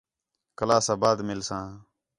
کلاس آ بعد مِلساں